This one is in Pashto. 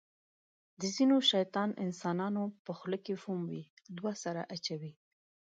د ځینو شیطان انسانانو په خوله کې فوم وي. دوه سره اچوي.